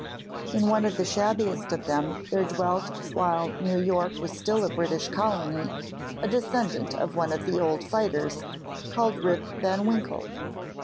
In one of the shabbiest of them there dwelt while New York was still a British Colony a descendant of one of the old fighters, called Rip van Winkle.